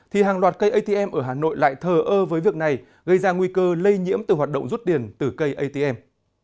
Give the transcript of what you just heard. thì hàng loạt cây atm ở hà nội lại thờ ơ với việc này gây ra nguy cơ lây nhiễm từ hoạt động rút tiền từ cây atm